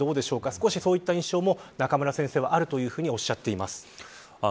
少しそういった印象も中村先生はあるとおっしゃっています。